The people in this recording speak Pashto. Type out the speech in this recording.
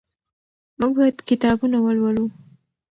موږ باید کتابونه ولولو.